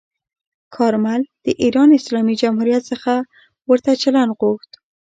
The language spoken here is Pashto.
کارمل د ایران اسلامي جمهوریت څخه ورته چلند غوښت.